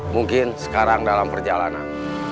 mungkin sekarang dalam perjalanan